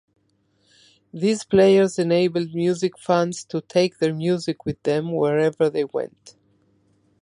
These players enabled music fans to take their music with them, wherever they went.